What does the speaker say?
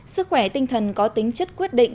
sức khỏe tinh thần có tính chất quyết định